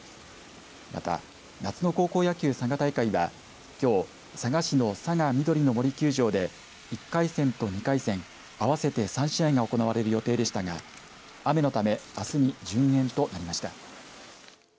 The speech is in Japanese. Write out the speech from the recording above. また夏の高校野球佐賀大会はきょう佐賀市の佐賀みどりの森球場で１回戦と２回戦合わせて３試合が行われる予定でしたが雨のためあすに順延となりました。